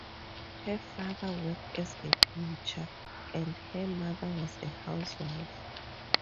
Her father worked as a butcher and her mother was a house wife.